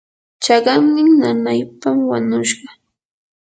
chaqannin nanaypam wanushqa.